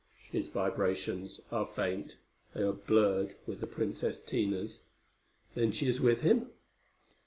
"His vibrations are faint. They are blurred with the Princess Tina's." "Then she is with him?"